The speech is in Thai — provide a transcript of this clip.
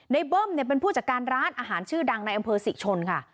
เบิ้มเนี่ยเป็นผู้จัดการร้านอาหารชื่อดังในอำเภอศรีชนค่ะ